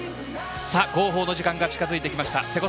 号砲の時間が近づいてきました。